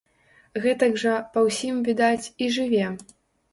Гэтак жа, па ўсім відаць, і жыве.